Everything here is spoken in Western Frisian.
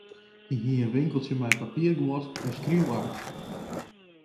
Hy hie in winkeltsje mei papierguod en skriuwark.